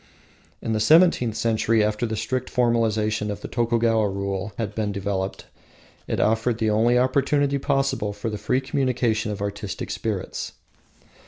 In the seventeenth century, after the strict formalism of the Tokugawa rule had been developed, it offered the only opportunity possible for the free communion of artistic spirits.